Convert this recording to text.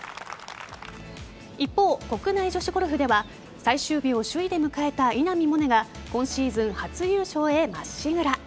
一方、国内女子ゴルフでは最終日を首位で迎えた稲見萌寧が今シーズン初優勝へまっしぐら。